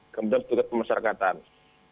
kemudian juga pemasarkan tangan